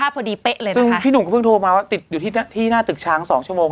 พี่หนุ่มก็เพิ่งโทรมาว่าติดอยู่ที่หน้าตึกช้าง๒ชั่วโมงเลยครับ